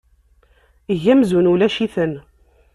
Eg amzun ulac-iten.